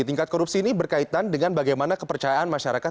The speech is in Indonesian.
tingkat korupsi ini berkaitan dengan bagaimana kepercayaan masyarakat